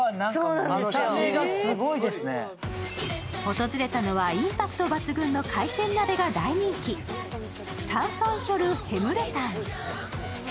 訪れたのはインパクト抜群の海鮮鍋が大人気サンソンヒョルヘムルタン。